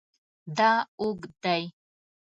دا اوږد دی